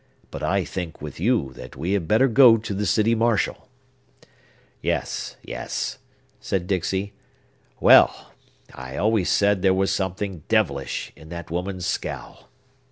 But I think, with you, that we had better go to the city marshal." "Yes, yes!" said Dixey. "Well!—I always said there was something devilish in that woman's scowl!"